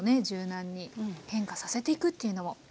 柔軟に変化させていくっていうのも。